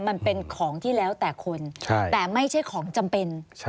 มันเป็นของที่แล้วแต่คนแต่ไม่ใช่ของจำเป็น